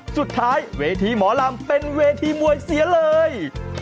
สุดท้ายเวทีหมอรำเป็นเวทีมวยเสียเลย